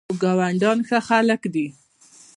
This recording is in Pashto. زموږ ګاونډیان ښه خلک دي